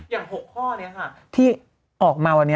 ๖ข้อนี้ค่ะที่ออกมาวันนี้